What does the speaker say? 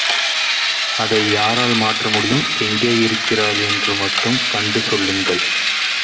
அதை யாரால் மாற்ற முடியும்! எங்கேயிருக்கிறாள் என்று மட்டும் கண்டு சொல்லுங்கள்.